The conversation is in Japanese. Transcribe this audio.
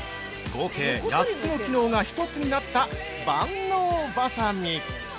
合計８つの機能が１つになった万能ばさみ。